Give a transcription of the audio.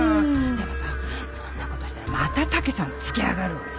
でもさそんなことしたらまた武さんつけ上がるわよ。